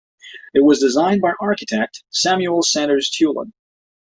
It was designed by architect, Samuel Sanders Teulon.